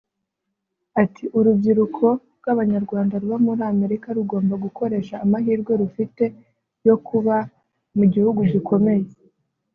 Ati “ Urubyiruko rw’Abanyarwanda ruba muri Amerika rugomba gukoresha amahirwe rufite yo kuba mu gihugu gikomeye